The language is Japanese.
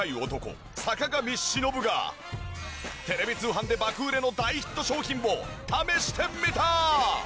テレビ通販で爆売れの大ヒット商品を試してみた！